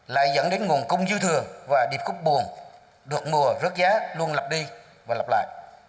lại dẫn đến nguồn cung dư thừa và điệp khúc buồn được mùa rớt giá luôn lặp đi và lập lại